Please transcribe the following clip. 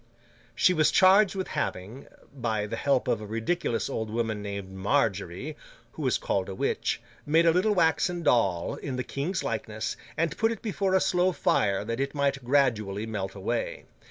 She was charged with having, by the help of a ridiculous old woman named Margery (who was called a witch), made a little waxen doll in the King's likeness, and put it before a slow fire that it might gradually melt away.